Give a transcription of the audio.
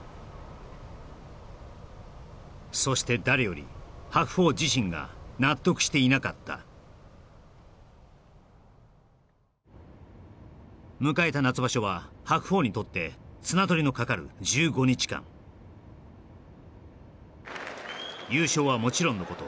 そして誰より白鵬自身が納得していなかった迎えた夏場所は白鵬にとって綱とりのかかる１５日間優勝はもちろんのこと